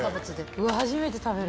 うわ、初めて食べる。